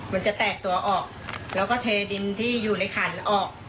มันจะแตกตัวออกแล้วก็เทดินที่อยู่ในขันออก